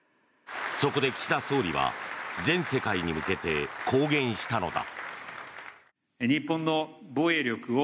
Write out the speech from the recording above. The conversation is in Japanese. そこで岸田総理は全世界に向けて公言したのだ。